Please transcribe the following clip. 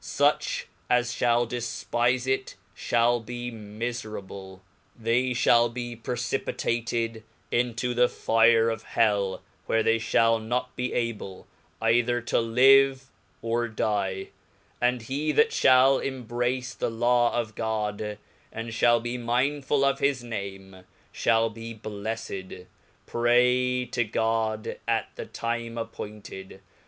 fuch as fhail di^i^'^ik it, fhallbe miferable, they fhall be precipitated into the fire of hell, where they fhall not be able, either to live, or*die ; and hethit iliall embrace the Law of God, and fhail be mindful of his name, ilial be blelTed. Pray to God at the time appointed.